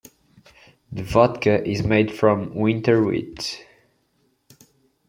The vodka is made from winter wheat.